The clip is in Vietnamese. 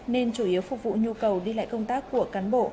nên chủ yếu phục vụ nhu cầu đi lại công tác của cán bộ